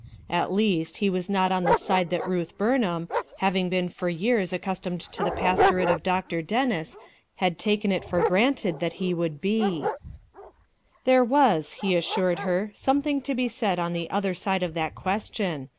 At least he was not on the side that Ruth Burnham, having been for years accustomed to the pastorate of Dr, Dennis, had taken it for granted that ho would be. 15 36 RUTH ERSICINE'S SON There was, he assured her, something to be said on the other side of that question.